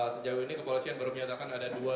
sejauh ini kepolisian baru menyatakan ada dua